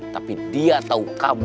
tapi dia tahu kamu